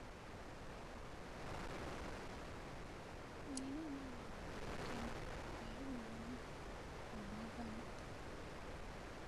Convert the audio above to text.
Nnina omwana wange mutemu, naye buli omu amwagala.